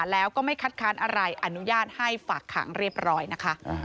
แล้วก็ไม่คัดค้านอะไรอนุญาตให้ฝากขังเรียบร้อยนะคะ